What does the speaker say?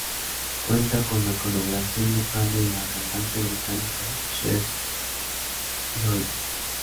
Cuenta con la colaboración vocal de la cantante británica Cher Lloyd.